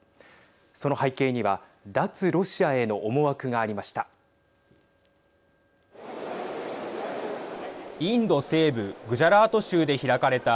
その背景には脱ロシアへの思惑がありました。